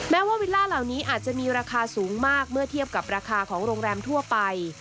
แม้ว่าวิลล่าเหล่านี้อาจจะมีราคาสูงมากเมื่อเทียบกับราคาของโรงแรมทั่วไป